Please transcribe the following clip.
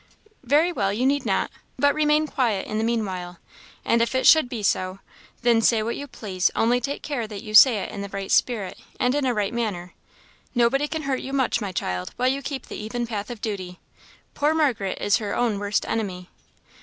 "Very well, you need not; but remain quiet in the mean while; and if it should be so, then say what you please, only take care that you say it in the right spirit and in a right manner. Nobody can hurt you much, my child, while you keep the even path of duty; poor Margaret is her own worst enemy."